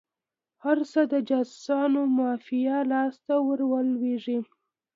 هر څه د جاسوسانو مافیا لاس ته ور ولویږي.